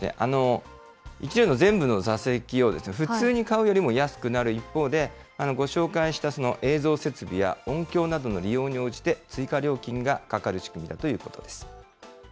１両の全部の座席を普通に買うよりも安くなる一方で、ご紹介した映像設備や音響などの利用に応じて、追加料金がかかる仕組みだということです。